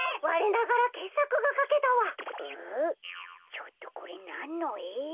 ちょっとこれなんのえ？